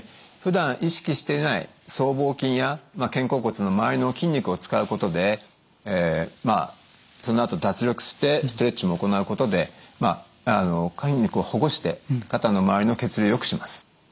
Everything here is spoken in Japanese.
ふだん意識していない僧帽筋や肩甲骨の周りの筋肉を使うことでまあそのあと脱力してストレッチも行うことで筋肉をほぐして肩の周りの血流をよくします。